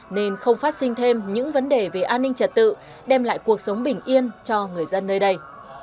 nên không phát sinh thêm những vấn đề về an ninh trật tự đem lại cuộc sống bình yên cho người dân nơi đây